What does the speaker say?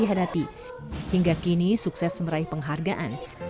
sehingga kini sukses meraih penghargaan